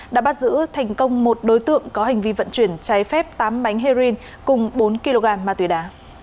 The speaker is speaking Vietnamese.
đã bắt giữ thành công một đối tượng có hành vi vận chuyển trái phép tám bánh heroin cùng bốn kg ma túy đá